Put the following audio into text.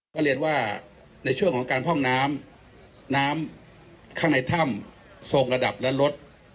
ก็เรียนว่าในช่วงของการพ่องน้ำน้ำข้างในถ้ำทรงระดับและลด